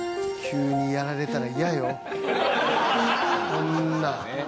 こんなん。